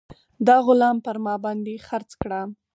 دا غلام پر ما باندې خرڅ کړه.